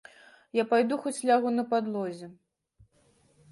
Я пайду хоць лягу на падлозе.